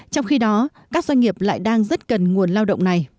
trong khi đó các doanh nghiệp lại đang rất cần nguồn lao